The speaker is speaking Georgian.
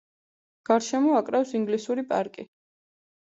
გარშემო აკრავს ინგლისური პარკი.